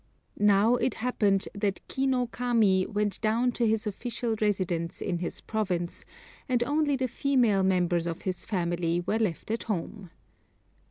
Now, it happened that Ki no Kami went down to his official residence in his province, and only the female members of his family were left at home.